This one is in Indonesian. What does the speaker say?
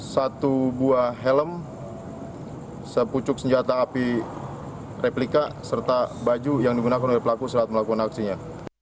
satu buah helm sepucuk senjata api replika serta baju yang digunakan oleh pelaku saat melakukan aksinya